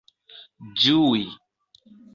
ĝui